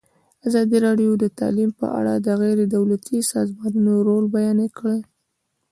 ازادي راډیو د تعلیم په اړه د غیر دولتي سازمانونو رول بیان کړی.